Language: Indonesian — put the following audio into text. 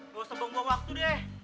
lo sebong bong waktu deh